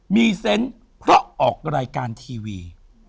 มีเซนต์เพราะออกรายการทีวี